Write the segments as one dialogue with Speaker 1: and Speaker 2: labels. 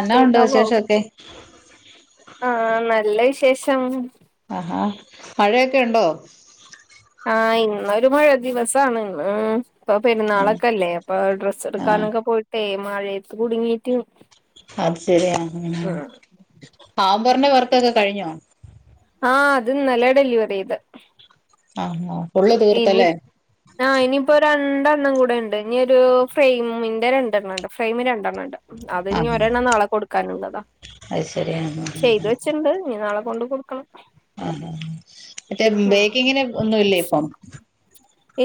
Speaker 1: എന്നാ ഉണ്ട്
Speaker 2: കേക്കാവോ
Speaker 1: വിശേഷൊക്കെ
Speaker 2: ആഹ് നല്ല വിശേഷം
Speaker 1: ആഹാ മഴയൊക്കെ ഉണ്ടോ
Speaker 2: ആഹ് ഇന്നൊരു മഴ ദിവസാണ് ഉം ഇപ്പൊ
Speaker 1: ആഹ്
Speaker 2: പെരുന്നാളൊക്കെല്ലേ ഇപ്പൊ ഡ്രസ്
Speaker 1: ആഹ്
Speaker 2: എടുക്കാനൊക്കെ പോയിട്ടേ മഴയത്ത് കുടുങ്ങിട്ട്
Speaker 1: അത് ശരിയ
Speaker 2: ഉം
Speaker 1: ഹാമ്പറിന്റെ വർക്കൊക്കെ കഴിഞ്ഞോ
Speaker 2: ആഹ് അത് ഇന്നല്ലെ ഡെലിവറി ചെയ്തെ
Speaker 1: ആഹ് ആഹ് ഫുള്ള്
Speaker 2: എനി
Speaker 1: തീർത്തല്ലേ
Speaker 2: ആഹ് ഇനിയിപ്പോ രണ്ടെണ്ണം കൂടെ ഉണ്ട് ഇനി ഒരു ഫ്രെയിമിന്റെ രണ്ടെണ്ണം ഉണ്ട് ഫ്രെയിം രണ്ടെണ്ണം ഉണ്ട് അത് ഇനി ഒരെണ്ണം നാളെ കൊടുക്കാനുള്ളതാ
Speaker 1: അയ് ശരി ആന്നോ
Speaker 2: ചെയ്തു വെച്ചിണ്ട് എനി നാളെ കൊണ്ട് കൊടുക്കണം
Speaker 1: ആഹ് മറ്റേ
Speaker 2: ഉം
Speaker 1: ബേക്കിങ്ങിന് ഒന്നുല്ലേ ഇപ്പം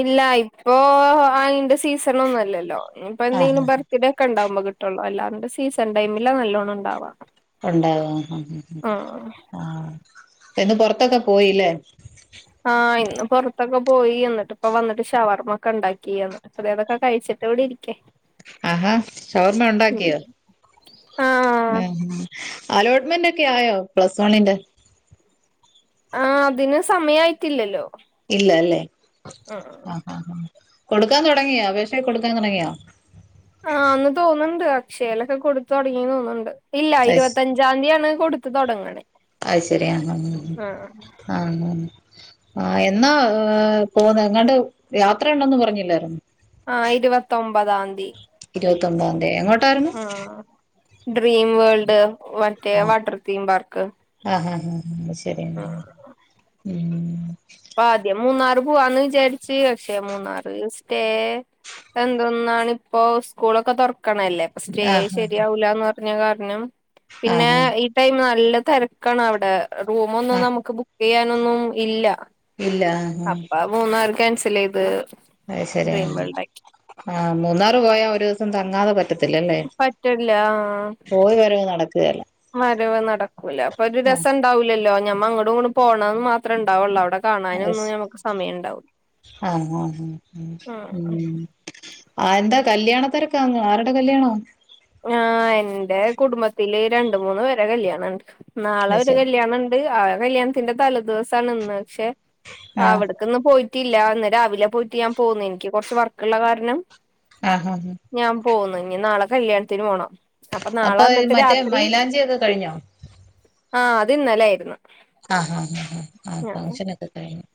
Speaker 2: ഇല്ല ഇപ്പോ അയിന്റെ സീസൺ ഒന്നു അല്ലല്ലോ ഇപ്പൊ
Speaker 1: ആഹ്
Speaker 2: എന്തെങ്കിലും ബർത്ത്ഡേ ഒക്കെ ഉണ്ടാവകുമ്പോ കിട്ടും ട്ടൊള്ളു എല്ലാണ്ട് സീസൺ ടൈമിലാ നല്ലോണ്ണം ഉണ്ടാവാ
Speaker 1: ഉണ്ടാവ ആ ഹ്
Speaker 2: ആഹ്
Speaker 1: ആഹ് ഇന്ന് പൊറത്തൊക്കെ പോയില്ലേ
Speaker 2: ആഹ് ഇന്ന് പൊറത്തൊക്കെ പോയി എന്നിട്ട് ഇപ്പൊ വന്നിട്ട് ഷവർമൊക്കെ ഉണ്ടാക്കി അപ്പതൊക്കെ കഴിച്ചിട്ട് ഇവടിരിക്ക
Speaker 1: ആഹാ ഷവർമ്മ ഉണ്ടാക്കിയോ
Speaker 2: ആഹ്
Speaker 1: ഉം അലോട്ട്മെന്റ് ഒക്കെ ആയോ പ്ലസ് വണ്ണിന്റെ
Speaker 2: ആഹ് അതിന് സമയായിട്ടില്ലല്ലോ
Speaker 1: ഇല്ല അല്ലേ ആഹ് അഹ് കൊടുക്കാൻ തൊടങ്ങിയോ അപേക്ഷ കൊടുക്കാൻ തൊടങ്ങിയോ
Speaker 2: ആന്ന് തോന്നുണ്ട് അക്ഷയേലൊക്കെ കൊടുത്ത് തൊടങ്ങിന്ന് തോന്നുന്നുണ്ട് ഇല്ല
Speaker 1: അയ്ശ്
Speaker 2: ഇരുപത്തഞ്ച് ഞ്ചാന്തിയാണ് കൊടുത്ത് തുടങ്ങണേ
Speaker 1: അത് ശരി അഹ്
Speaker 2: ആഹ്
Speaker 1: അഹ് അഹ് ആഹ് ആഹ് എന്നാ പോവുന്നെ എങ്ങാണ്ട് യാത്ര ഉണ്ടോന്ന് പറഞ്ഞില്ലായിരുന്നൊ
Speaker 2: ആഹ് ഇരുപത്തൊമ്പതാന്തി.
Speaker 1: ഇരുപത്തിഒബദാന്തി ഇങ്ങട്
Speaker 2: ആഹ് ഡ്രീം വേൾഡ് മറ്റേ
Speaker 1: ആഹ്
Speaker 2: വാട്ടർ തീം പാർക്ക്.
Speaker 1: ആഹ് ആഹ് ആഹ് ശെരിയെന്നെ ണ് ഉഹും.
Speaker 2: ആദ്യം മൂന്നാറ് പോവാന്ന് വിചാരിച് പക്ഷെ മൂന്നാറ് സ്റ്റേ എന്തന്നാണ് ഇപ്പോ സ്കൂളൊക്കെ തൊറക്കണല്ലേ. സ്റ്റേ
Speaker 1: ആഹ് ആഹ്
Speaker 2: ശരിയാവൂലാന്ന് പറഞ്ഞ കാരണം പിന്നെ.
Speaker 1: ആഹ്
Speaker 2: ടൈം നല്ല തെരക്കാണ് അവിടെ റൂമ് ഒന്നും
Speaker 1: ആഹ്
Speaker 2: നമുക്ക് ബുക്ക് യ്യാനൊന്നും ഇല്ല.
Speaker 1: ഇല്ല ആഹ് ആഹ്
Speaker 2: അപ്പ മൂന്നാർ ക്യാൻസിൽ ചെയ്ത്.
Speaker 1: അത് ശരിയ
Speaker 2: ഡ്രീം വേൾഡ് ആക്കി
Speaker 1: ആഹ് മൂന്നാർ പോയാ ഒരുസം തങ്ങാതെ പ ത്തില്ലല്ലേ
Speaker 2: പറ്റില്ല ആഹ്
Speaker 1: പോയി വരവ് നടക്കയില്ല.
Speaker 2: വരവ് നടക്കൂല അപ്പൊ ഒരു രസ ഉണ്ടാവൂല്ലല്ലോ ഞമ്മ അങ്ങട്ടും ഇങ്ങട്ടും പോണന്ന് മാത്രം ണ്ടാവൊള്ളൂ അവിടെ.
Speaker 1: അഹ്
Speaker 2: കാണാനൊന്നും ഞമ്മക്ക് സമയം ഉണ്ടാവൂല
Speaker 1: ആഹ് ആഹ് ഉം. ആഹ് എന്താ കല്യാണ തിരകാന്നോ ആരുടെ കല്യാണ.
Speaker 2: ആഹ് എന്റെ കുടുംബത്തില് രണ്ട് മൂന്ന് പേരെ കല്യാണം ഉണ്ട് നാളെ
Speaker 1: അത്
Speaker 2: ഒരു
Speaker 1: ശരി
Speaker 2: കല്യാണംണ്ട്. ആ കല്യാണത്തിന്റെ തലേ ദിവസണന്ന് പക്ഷെ
Speaker 1: ആഹ്
Speaker 2: അവിടെ ഇന്ന് പോയിട്ടില്ല ഇന്ന് രാവിലെ പോയിട്ട് ഞാൻ പോന്നു എനിക്ക് കൊറച്ച് വർക്ക്ള്ള കാരണം.
Speaker 1: ആഹ് അഹ്
Speaker 2: ഞാൻ പോന്നു ഇനി നാളെ കല്യാണത്തിന് പോണം അപ്പൊ നാളെ വന്നിട്ട്
Speaker 1: മറ്റേ
Speaker 2: രാത്രി.
Speaker 1: മൈലാഞ്ചിയൊക്കെ കഴിഞ്ഞോ
Speaker 2: ആഹ് അത് ഇന്നലെ ആയിരുന്നു.
Speaker 1: ആഹ് ആഹ് ആ ഹ് ആഹ് ഫങ്ഷനൊക്കെ കഴിഞ്ഞു.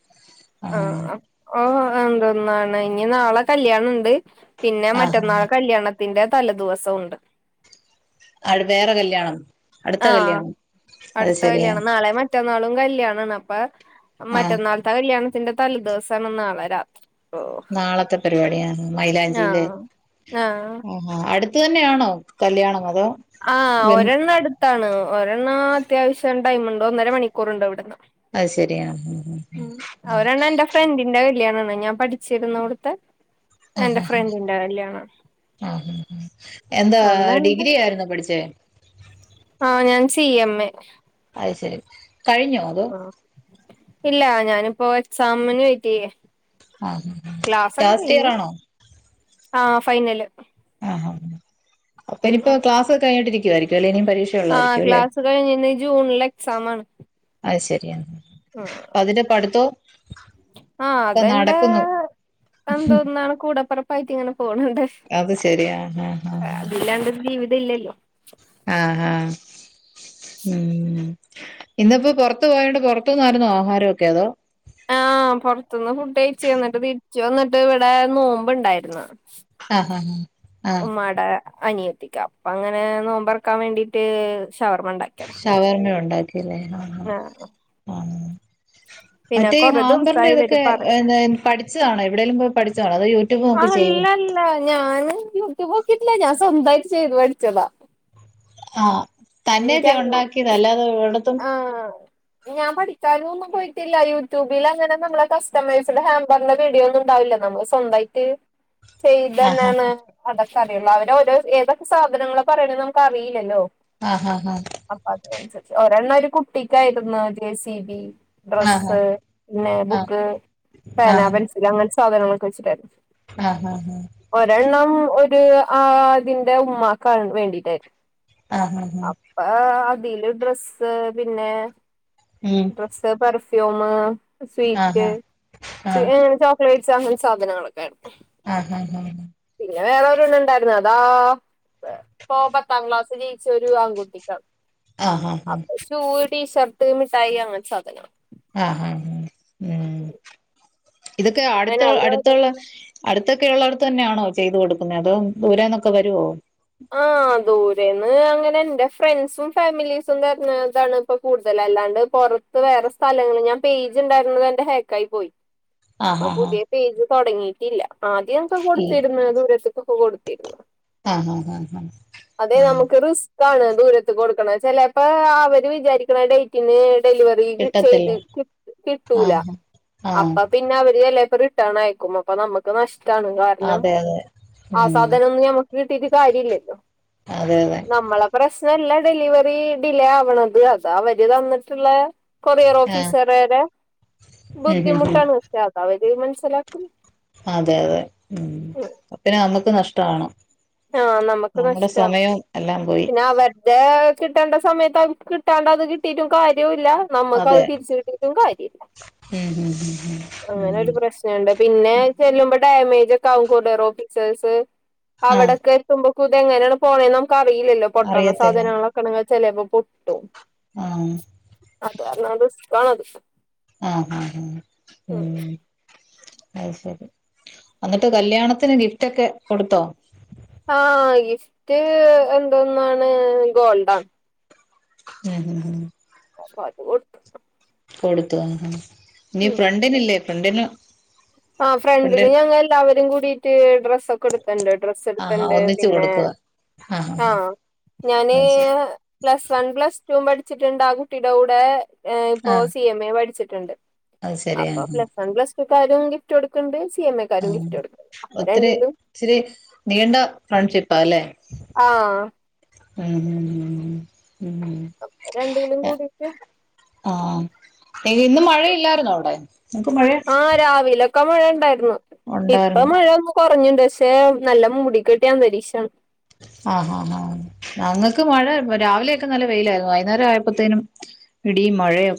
Speaker 2: ആഹ് ഓ എന്തൊന്നാണ് ഇനി നാളെ കല്യാണണ്ട്. പിന്നെ
Speaker 1: ആഹ്
Speaker 2: മറ്റന്നാൾ കല്യാണത്തിന്റെ തല ദിവസോണ്ട്.
Speaker 1: അഹ് വേറെ കല്യാണം അടുത്ത
Speaker 2: ആഹ്
Speaker 1: കല്യാണം അത്
Speaker 2: അടുത്ത
Speaker 1: ശരിയാ.
Speaker 2: കല്യാണം നാളെ മറ്റന്നാളും കല്യാണണ് അപ്പ
Speaker 1: ആഹ്
Speaker 2: മറ്റന്നാളത്തെ കല്യാണത്തിന്റെ തല ദിവസണ് നാളെ രാത്രി. ഓ
Speaker 1: നാളത്തെ പരിപാടിയാണ് മൈലാഞ്ചിയിലെ.
Speaker 2: ആഹ്
Speaker 1: ആഹ് അടുത് തന്നെയാണോ കല്യാണം അതോ.
Speaker 2: ആഹ്
Speaker 1: ബ
Speaker 2: ഒരെണ്ണം അടുത്താണ് ഒരെണ്ണം അത്യാവശ്യം ടൈമുണ്ട് ഒന്നര മണിക്കൂറ്ണ്ട് ഇവിടുന്ന്.
Speaker 1: അത് ശരിയാ
Speaker 2: ഉം ഒരെണ്ണം എൻറെ ഫ്രണ്ടിന്റെ കല്യാണന്ന് ഞാൻ പഠിച്ചിരുന്നോട്ത്തെ
Speaker 1: ആഹ് ആഹ് എന്താ
Speaker 2: ഒന്നെന്റെ
Speaker 1: ഡിഗ്രി ആയിരുന്നു പഠിച്ചേ.
Speaker 2: ആഹ് ഞാൻ സി എം മ്മ്.
Speaker 1: അയ് ശെരി കഴിഞ്ഞോ. അതോ
Speaker 2: ഇല്ല ഞാനിപ്പോ എക്സാമിന് വെയിറ്റെയ്യാ.
Speaker 1: ആഹ് ലാസ്റ്റ് ഇയറാണോ?
Speaker 2: ആഹ് ഫൈനല്.
Speaker 1: ആഹാ അപ്പൊ ഇനിപ്പൊ ക്ലാസ് കഴിഞ്ഞിട്ടിരിക്കുവായിരിക്കൊല്ലെ ഇനിം പരീക്ഷ
Speaker 2: ആഹ്
Speaker 1: ഉള്ളായിരിക്കും അല്ലെ
Speaker 2: ക്ലാസ് കഴിഞ്ഞ്‌ ഇഞ് ജൂൺല് എക്സാം ആണ്.
Speaker 1: അത് ശരി ആഹ് പ്പതിന്റെ പഠിത്തോ
Speaker 2: ആ
Speaker 1: ക്കെ
Speaker 2: അതെന്റെ
Speaker 1: നടക്കുന്നു.
Speaker 2: എന്തോന്നാണ് കൂടെപ്പറപ്പായിട്ട്ങ്ങനെ പോണ്‌ണ്ട്.
Speaker 1: അത് ശരിയാ ആഹ് ആഹ്
Speaker 2: ഇല്ലാണ്ടൊര് ജീവിത ഇല്ലല്ലോ.
Speaker 1: ആഹ് ആഹ് ഉം ഇന്ന്പ്പൊ പൊർത്ത് പോയോണ്ട് പൊർത്തൂന്നായിര്ന്നോ ആഹാരക്കെ അതോ.
Speaker 2: ആഹ് പൊർത്ത്ന്ന് ഫുഡഴ്ച്ച് ന്നട്ട് തിര്ച്ചു വന്നിട്ട് ഇവിടെ നോമ്പ്ണ്ടായിര്ന്ന്.
Speaker 1: ആഹ് ആഹ് ആഹ്
Speaker 2: ഉമ്മാടെ അനിയത്തിക്ക് അപ്പങ്ങനെ നോമ്പർക്കാൻ വേണ്ടിട്ട് ഷവർമണ്ടാ
Speaker 1: ഷവർമ്മ ഉണ്ടാക്കിയല്ലേ ആഹ്
Speaker 2: ആഹ്
Speaker 1: ആഹ് മറ്റേ ഈ
Speaker 2: കൊറേ
Speaker 1: ഹാമ്പർന്റെ
Speaker 2: ദിവസായി ഇവര്
Speaker 1: ഇതൊക്കെ
Speaker 2: പറ
Speaker 1: എന്താ പഠിച്ചതാണോ എവിടെലും പോയ് പഠിച്ചാണോ അതോ യു
Speaker 2: അല്ലല്ല ഞാന് യൂട്യൂബോക്കിട്ടില്ല. ഞാൻ സ്വന്തായിട്ട് ചെയ്ത് പഠിച്ചതാ.
Speaker 1: ആഹ് തന്നെ
Speaker 2: എനിക്കങ്ങ
Speaker 1: ഉണ്ടാക്കിയതാ അല്ലാതെ എവിടത്തും
Speaker 2: ആഹ് ഞാൻ പഠിക്കാനും ഒന്നും പോയിട്ടില്ല. യൂട്യൂബിൽ അങ്ങനെ നമ്മള കസ്റ്റമൈസ്ഡ് ഹാമ്പർന്റെ വീഡിയോ ഒന്നും ഉണ്ടാവില്ല നമ്മ സ്വന്തായിട്ട്
Speaker 1: [inaudible] ആഹ്
Speaker 2: ചെയ്തന്നാണ് അതൊക്കെ അറിയുള്ളൂ അവര് ഓരോ ഏതൊക്കെ സാധനങ്ങളാ പറയണ നമുക്ക് അറിയില്ലല്ലോ?
Speaker 1: ആഹ് ആഹ് ആഹ്
Speaker 2: അപ്പൊ അതിനൻസര്ച്ച് ഒരെണ്ണം അയ്ല് കുട്ടിക്കായിരുന്നു ജെ സി ബി
Speaker 1: ആഹ്
Speaker 2: ഡ്രസ്സ് പിന്നെ
Speaker 1: ആഹ്
Speaker 2: ബുക്ക്, പേന,
Speaker 1: ആഹ്
Speaker 2: പെൻസില് അങ്ങൻത്തെ സാധനങ്ങളൊക്കെ വെച്ചിട്ടായിരുന്നു.
Speaker 1: ആഹ് ആഹ് ആഹ്
Speaker 2: ഒരെണ്ണം ഒരു ആതിന്റെ ഉമ്മാക്ക വേണ്ടീട്ടായി
Speaker 1: ആഹ് ആഹ്
Speaker 2: അപ്പ അതില് ഡ്രസ്സ് പിന്നെ
Speaker 1: ഉം
Speaker 2: ഡ്രസ്റ്റ്, പെർഫ്യൂം,
Speaker 1: ആഹ്
Speaker 2: സ്വീറ്റ്
Speaker 1: ആഹ്
Speaker 2: ചോ ക്ളേറ്റ്സ് അങ്ങൻ സാധനങ്ങളൊക്കെ
Speaker 1: ആഹ് ആഹ് ആഹ്
Speaker 2: പിന്നെ വേറെ ഒരെണ്ണണ്ടായ്ര്ന്ന് അതാ ഇപ്പോ പത്താം ക്ലാസ് ജയിച്ച ഒരു ആൺകുട്ടിക്കാ
Speaker 1: ആഹ്
Speaker 2: അപ്പം ഷൂ, ടീഷർട്ട്, മിഠായി അങ്ങൻത്തെ സാധന
Speaker 1: ആഹ് ആഹ് ഉം ഇതൊക്കെ അടുത്ത
Speaker 2: അങ്ങനെ അവരത്
Speaker 1: അടുത്തുള്ള അടുത്തൊക്കെ ഉള്ളേടത്ത് തന്നെ ആണോ ചെയ്ത് കൊടുക്കുന്നേ. അതോ ദൂരേന്നൊക്കെ വരോ?
Speaker 2: ആഹ് ദൂരേന്ന് അങ്ങനെ എന്റെ ഫ്രണ്ട്സും ഫാമിലീസും തര്ന്നതാണ് ഇപ്പ കൂടുതല അല്ലാണ്ട് പൊറ ഇപ്പംവേറെ സ്ഥലങ്ങ ഞാൻ പേജ് ഇണ്ടായിരുന്നത് എന്റെ ഹേക്കാആയി പോയി.
Speaker 1: [inaudible]
Speaker 2: ഇപ്പൊ
Speaker 1: ആഹ് ആഹ്
Speaker 2: പുതിയ പേജ് തുടങ്ങിയിട്ടില്ല. ആദ്യക്കെ
Speaker 1: ഇല്ല
Speaker 2: കൊടുത്തിര്ന്നു ദൂരത്തക്കൊക്കെ കൊടുത്തിരുന്നു.
Speaker 1: ആഹ് ആഹ് ആഹ്
Speaker 2: അതെ
Speaker 1: ആഹ്
Speaker 2: നമുക്ക് റിസ്ക് ആണ് ദൂരത്ത് കൊടുക്കണ, ചെലപ്പോ അവര് വിചാരിക്കണ ഡേറ്റ് പിന്നെഡെലിവറി
Speaker 1: കിട്ടത്തില്ല
Speaker 2: ചെയ്ത് കിട്ടൂല
Speaker 1: ആഹ് ആഹ്
Speaker 2: അപ്പം പിന്നെ പിന്നെ അവര് ചെലേപ്പ റിട്ടേൺ അയക്കും അപ്പം നമക്ക് നഷ്ടമണ് കാരണം
Speaker 1: അതെ അതെ
Speaker 2: ആ
Speaker 1: ഉം
Speaker 2: സാധന ഒന്നും നമ്മക്ക് കിട്ടിട്ട് കാരില്ലല്ലോ
Speaker 1: അതെ അതെ
Speaker 2: നമ്മളെ പ്രശ്നല്ല ഡെലിവറി ഡിലേ ആവണത് അത് അവര് തന്നിട്ടുള്ള കൊറിയർ
Speaker 1: ആഹ്
Speaker 2: ഓഫീസർരെ
Speaker 1: ഉം ഉം ഉം
Speaker 2: ബുദ്ധിമുട്ടാണ് അത് അവര് മനസ്സിലാക്കും.
Speaker 1: അതെ അതെ ഉം അപ്പം നമ്മക്ക് നഷ്ട്ടാണ്.
Speaker 2: ആഹ്
Speaker 1: നമ്മളെ സമയം എല്ലാം പോയി.
Speaker 2: അവർ ടെ കിട്ടേണ്ട സമയത്ത് അവക്ക് കിട്ടാണ്ട് അത് കിട്ടിട്ടും കാര്യം ഇല്ല. നമ്മുക്ക് അത്
Speaker 1: അതെ
Speaker 2: തിരിച്ച് കിട്ടിട്ടും കാര്യല്ല.
Speaker 1: ഉം ഉം ഉം ഉം
Speaker 2: അങ്ങനെ
Speaker 1: ഉം
Speaker 2: ഒരു പ്രശ്നം ണ്ട് പിന്നെ ചെല്ലുമ്പോ ഡാമേജ് ഒക്കെ ആവും കൊറിയറോഫീസേ സ്
Speaker 1: ആഹ്
Speaker 2: അവിടൊക്കെ തുമ്പക്കൂത എങ്ങനാണ് പോണത് നമുക്കറിയില്ലല്ലോ പൊട്ടണ
Speaker 1: അറിയത്തില്ല
Speaker 2: സാധനങ്ങളൊക്കെണെങ്കിൽ ചെലപ്പ പൊട്ടും.
Speaker 1: ആഹ്
Speaker 2: [unintelligible]
Speaker 1: ആഹ് ആഹ് ആഹ് ഉം അത് ശരി എന്നിട്ട് കല്യാണത്തിന് ഗിഫ്റ്റ് ഒക്കെ കൊടുത്തോ?
Speaker 2: ആഹ് ഗിഫ്റ്റ് എന്തോന്നാണ് ഗോൾ ഡാ.
Speaker 1: [unintelligible]
Speaker 2: അപ്പ അത് കൊട്ത്ത്ട്ട്
Speaker 1: കൊടുത്തു, ആഹ ഇനി ഫ്രണ്ടിന് ഇല്ലേ ഫ്രണ്ടന്
Speaker 2: ആ ഫ്രണ്ടിന് ഞങ്ങ എല്ലാവരും കൂടിയിട്ട് ഡ്രസ്സ് ഒക്കെ എടു എന്താ ഡ്രസ്സ്
Speaker 1: ആഹാ
Speaker 2: എടുക്ക്ണ്ട്
Speaker 1: ഒന്നിച്ച്
Speaker 2: പിന്നെ
Speaker 1: കൊടുക്കുവ
Speaker 2: ആഹ
Speaker 1: ആഹ്
Speaker 2: ഞാന് പ്ലസ് വൺ, പ്ലസ് ടൂ പഠിച്ചിട്ടുണ്ട്. ആ കുട്ടിയുടെ കൂടെ ഇപ്പോ
Speaker 1: ആഹ്
Speaker 2: സി എം എ പഠിച്ചിട്ടുണ്ട്.
Speaker 1: അത് ശരി ആഹ് അത് ശരി
Speaker 2: അപ്പൊ
Speaker 1: ആഹ്
Speaker 2: പ്ലസ് വൺ പ്ലസ് ടുക്കാരു ഗിഫ്റ്റ് കൊടുക്കണ്ട് സി എം എല്ലാരും
Speaker 1: ആഹ്
Speaker 2: ഗിഫ്റ്റ് കൊടുക്കണ്ട് അപ്പ
Speaker 1: ഒത്തിരി
Speaker 2: രണ്ടിനും
Speaker 1: ഇച്ചിരി നീണ്ട ഫ്രണ്ട്ഷിപ്പാ അല്ലേ.
Speaker 2: ആഹാ
Speaker 1: [unintelligible]
Speaker 2: അപ്പ രണ്ടിലും കൂടിട്ട്
Speaker 1: ആഹ ഇന്ന് മഴയില്ലായിന്നോ അവിടെ നമക്ക് മഴ
Speaker 2: ഇപ്പ മഴ ഉണ്ടായിരുന്നു. ഇപ്പ
Speaker 1: ഉണ്ടായിരുന്നു
Speaker 2: മഴ ഒന്ന് കുറഞ്ഞുണ്ട് പക്ഷെ നല്ല മൂടി കെട്ടിയ അന്തരീക്ഷം.
Speaker 1: ആഹ് ആ ആ ഞങ്ങൾക്ക് മഴ രാവിലെയൊക്കെ നല്ല വെയിലായിരുന്നു. വൈകുന്നേരം ആയപ്പോത്തേനും ഇടിയും മഴയും.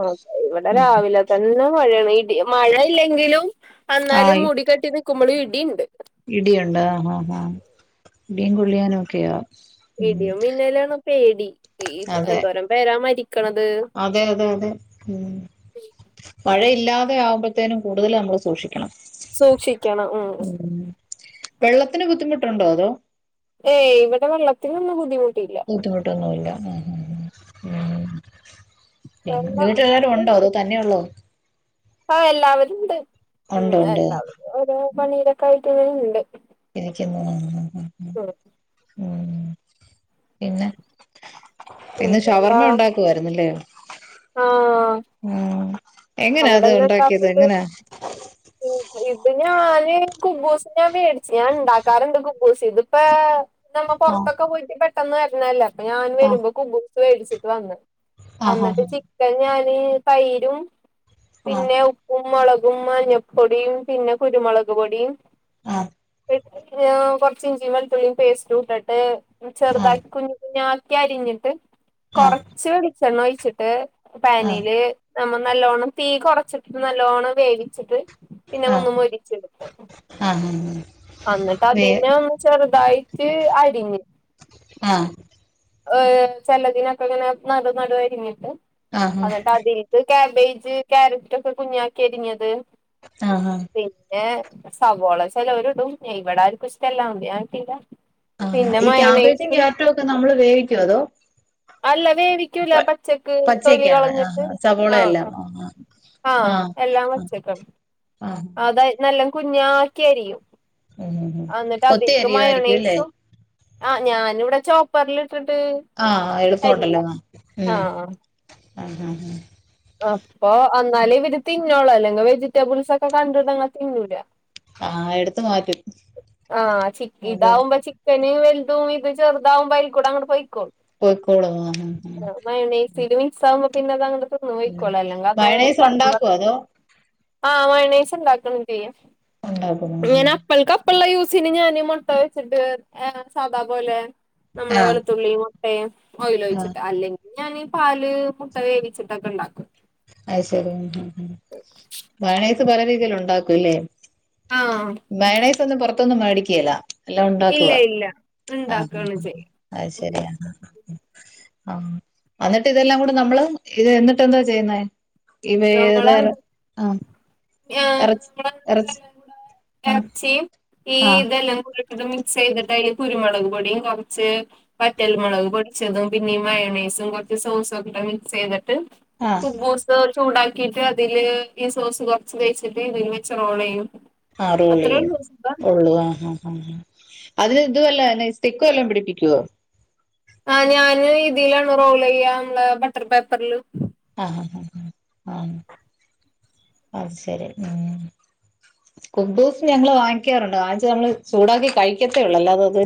Speaker 2: ആ ഇവിടെ രാവിലെ തന്നെ മഴാണ്, ഇടി മഴയില്ലെങ്കിലും
Speaker 1: ആ
Speaker 2: എന്നാലും
Speaker 1: ഇ-
Speaker 2: മുടി കെട്ടി നിക്കുമ്പോൾ ഇടിയുണ്ട്.
Speaker 1: ഇടിയുണ്ട് ആഹാ ഹാ ഇടിയും കൊള്ളിയാനും ഒക്കെയാ ഉം
Speaker 2: ഇടിയും മിന്നലാണ് പേടി, ഈ
Speaker 1: അതെ
Speaker 2: എന്തോരം പേരാ മരിക്കണത്.
Speaker 1: അതെ അതെ അതെ ഉം മഴയില്ലാതെ ആവുമ്പത്തേനും കൂടുതൽ നമ്മൾ സൂക്ഷിക്കും.
Speaker 2: സൂക്ഷിക്കണം ഉം
Speaker 1: വെള്ളത്തിന് ബുദ്ധിമുട്ടുണ്ടോ? അതോ
Speaker 2: ഏയ് ഇവിടെ വെള്ളത്തിനൊന്നും ബുദ്ധിമുട്ടില്ല.
Speaker 1: ബുദ്ധിമുട്ടൊന്നും ഇല്ല, ഉം ഉം
Speaker 2: വെള്ള
Speaker 1: വീട്ടിൽ ആരെങ്കിലും ഉണ്ടോ അതോ ങ്ങനെയ ഉള്ളോ?.
Speaker 2: ആ എല്ലാവരുംണ്ട്, ഉം
Speaker 1: ഉണ്ട് ഉണ്ട്
Speaker 2: എല്ലാവരും ഓരോ പണിരൊക്കെ ആയിട്ട് ഇങ്ങെ ഉണ്ട്.
Speaker 1: ഇരിക്കുന്നു
Speaker 2: ഉം
Speaker 1: പിന്നെ പിന്നെ
Speaker 2: പിന്നെന്താ
Speaker 1: ഷവർമ്മ ഉണ്ടാക്കുവായിരുന്നല്ലേ?.
Speaker 2: ആഹ്
Speaker 1: ആ എങ്ങനെയ അത്
Speaker 2: അവിടെന്ന് എന്താ
Speaker 1: ഉണ്ടാക്കിയത്
Speaker 2: ഫുഡ്
Speaker 1: എങ്ങനാ
Speaker 2: ഇത് ഞാന് കുബൂസ് ഞാൻ മേടിച്ചു ഞാൻ ഉണ്ടാക്കാറുണ്ട്, കുബൂസ് ഇതിപ്പോ നമ്മ
Speaker 1: ആഹ്
Speaker 2: പുറത്തൊക്കെ പോയിട്ട് പെട്ടെന്ന് വരണല്ലേ, അപ്പ ഞാൻ വരുമ്പോ കുബുസ് മേടിച്ചിട്ട് വന്നു. എന്നിട്ട്
Speaker 1: ആഹ്
Speaker 2: ചിക്കൻ ഞാന് തൈരും
Speaker 1: ആഹ്
Speaker 2: പിന്നെ ഉ ഉപ്പു, മുുളകും, മഞ്ഞൾപ്പൊടിയും, പിന്നെ കുരുമുളക് പൊടിയും.
Speaker 1: ആഹ്
Speaker 2: കൊറച്ച് ഇഞ്ചിയും വെളത്തുള്ളിയും പേസ്റ്റ് ഇട്ടിട്ട്
Speaker 1: ആഹ് ആഹ്
Speaker 2: ചെറുതാക്കി കുഞ്ഞ് കുഞ്ഞായി അരിഞ്ഞിട്ട്
Speaker 1: ആഹ്
Speaker 2: കൊറച്ച് വെളിച്ചെണ്ണ ഒഴിച്ചിട്ട്
Speaker 1: ആഹ്
Speaker 2: പാനില് നമ്മ നല്ലോണ്ണം തീ കുറച്ചിട്ട്, നല്ലോണ്ണം വേവിച്ചിട്ട്, പിന്നെ
Speaker 1: ആഹ് ആഹ്
Speaker 2: ഒന്നും മൊരിച്ചെടുത്ത്.
Speaker 1: ആഹ് ഹ
Speaker 2: എന്നിട്ട് അതിനെ ഒന്ന് ചെറുതായിട്ട് അരിഞ്ഞ്
Speaker 1: ആഹ്
Speaker 2: ഏഹ് ചിലതിനൊക്കെ ഇങ്ങനെ നടനടുരിഞ്ഞിട്ട്
Speaker 1: ആഹ്
Speaker 2: എന്നിട്ട് അത് ഇത് കാബേജ്, കരറ്റ് ഒക്കെ കുഞ്ഞ് ആക്കി അരിഞ്ഞത്.
Speaker 1: ആഹ് ആഹ്
Speaker 2: പിന്നെ സവോള ചിലര് ഇടും ഇവിടെ ആർക്കും ഇഷ്ടം ഇല്ല പിന്നെ ഞാനിട്ടില്ല.
Speaker 1: ആ ഈ ക്യാബേജും, ക്യാരറ്റും ഒക്കെ നമ്മള് വേവിക്കോ അതോ
Speaker 2: അല്ല വേവിക്കുല പച്ചക്ക് തൊലി
Speaker 1: പച്ചക്കാണ്
Speaker 2: കളഞ്ഞിട്ട്
Speaker 1: ആഹ്
Speaker 2: ആഹ്
Speaker 1: സവോളയെല്ലാം
Speaker 2: ആ ആഹ് എല്ലാം
Speaker 1: ആഹ്
Speaker 2: വച്ചെക്കണം.
Speaker 1: ആഹ്
Speaker 2: അത് നല്ലാം കുഞ്ഞാക്കി അരിയും.
Speaker 1: ഉം ഉം
Speaker 2: എന്നിട്ട്
Speaker 1: ഒത്തിരി അരിയുമായിരിക്കും അല്ലേ
Speaker 2: അതിക്ക്മയോണേസും ആഹ് ഞാാനിവിടെ ചോപ്പറിൽ ഇട്ടിട്ട്
Speaker 1: ആഹ് എളുത്തോണ്ടല്ലോ
Speaker 2: അരിയും
Speaker 1: ആഹ് ഉ ആഹ്
Speaker 2: അപ്പൊ എന്നാലേ ഇവര് തിന്നോളൂ അല്ലെങ്കിൽ വെജിറ്റബിൾസ് ഒക്കെ കണ്ടിട്ട് അങ്ങ് തിന്നൂല.
Speaker 1: ആഹ് എടുത്ത് മാറ്റും
Speaker 2: ആഹ് ചി
Speaker 1: അതെ
Speaker 2: ഇതാവുപ ചി പിന്നെ വല്തും ഇത് ചെറുതാവും അയ്ൽ കൂടെ അങ്ങ്ടെ പോയിക്കോളും
Speaker 1: പോയിക്കോളും അഹ് അഹ്
Speaker 2: സാവുമ്പം പിന്നെ അത് അങ്ങട് തിന്ന് പൊയ്ക്കൊളും അല്ലെങ്ക അത്
Speaker 1: മയണൈസ്
Speaker 2: പറകി
Speaker 1: ഉണ്ടാക്കോ അതോ
Speaker 2: ആഹ് മയണേസ് ഉണ്ടാകും ചെയ്യും
Speaker 1: ഉണ്ടാക്കും ഉം ഉം
Speaker 2: ഇങ്ങനെ വൾകപ്പള്ള യൂസിന് ഞാൻ മുട്ട വെച്ചിട്ട് സാദാ പോലെ നമ്മളെ
Speaker 1: ആഹ്
Speaker 2: വെളുത്തുള്ളി മുട്ടയും ഓയിൽ
Speaker 1: ആഹ്
Speaker 2: ഒഴിച്ചിട്ട് അല്ലെങ്കിൽ ഞാന് പാല് മുട്ട വേവിച്ചിട്ട് ക്കണ്ടാക്കും
Speaker 1: അയ്ശരി ഹുംഹം മയണേസ് പല രീതിൽ ഉണ്ടാക്കൂല്ലേ
Speaker 2: ആഹ്
Speaker 1: മേയണേസ് ഒന്നും പുറത്തൊന്നും മേടിക്കേല്ല എല്ലാം ഉണ്ടാക്കുവ
Speaker 2: ഇല്ല ഇല്ല
Speaker 1: ആഹ്
Speaker 2: ഉണ്ടാക്കാണ് ചെയ്യ
Speaker 1: അ അത് ശരിയാ ആഹ് എന്നിട്ട് ഇതെല്ലാം കൂടി നമ്മള് ഇത് എന്നിട്ട് എന്താ ചെയ്യുന്നെ ഇവ ഏതാര ആഹ്
Speaker 2: ആഹ്
Speaker 1: ഇറച്ചി
Speaker 2: നമ്മള്
Speaker 1: ഇറച്ചി
Speaker 2: ഇതെല്ലാം കൂടെ
Speaker 1: ആഹ്
Speaker 2: ഇറച്ചിയും ഈ
Speaker 1: ആഹ്
Speaker 2: ഇതെല്ലാം കൂടെ ഇത് മിക്സ് ചെയ്തിട്ട് അതില് കുരുമുളക് പൊടിയും കുറച്ച് പറ്റൽമുളക് പൊടിച്ചതും പിന്നെ മയണേസും കുറച്ച് സോസും ഒക്കെ മിക്സ് ചെയ്തിട്ട്
Speaker 1: ആഹ്
Speaker 2: കുബൂസ് ചൂടാക്കീട്ട് അതില് ഈ സോസ് കുറച്ച് തേച്ചിട്ട് ഇതില് വെച്ച് റോൾ ചെയ്യും
Speaker 1: ആ റോള്
Speaker 2: അത്രേ
Speaker 1: ചെയ്യും
Speaker 2: ഉള്ളൂ സുഖാ
Speaker 1: ഒള്ളു ആഹ് ആഹ് ആഹ് അതിന് ഇത് വല്ല ന്നെ സ്റ്റിക്ക് വല്ലൊം പിടിപ്പിക്കുവോ
Speaker 2: ആ ഞാന് ഇതിലാണ് റോൾ ചെയ്യ നമ്മടെ ബട്ടർ പേപ്പറില്
Speaker 1: ആഹ് ആഹ് ആഹ് അ അത് ശരി ഉം കുബൂസ് ഞങ്ങൾ വാങ്ങിക്കാറുണ്ട് വാങ്ങിച്ച് നമ്മള് ചൂടാക്കി കഴിക്കത്തേ ഉള്ളൂ അല്ലാത അതു